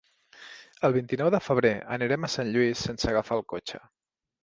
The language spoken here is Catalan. El vint-i-nou de febrer anirem a Sant Lluís sense agafar el cotxe.